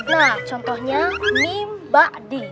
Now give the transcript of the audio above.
nah contohnya mimba di